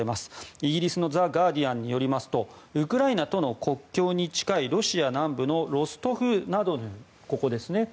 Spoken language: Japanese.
イギリスのザ・ガーディアンによりますとウクライナとの国境に近いロシア南部のロストフナドヌーここですね。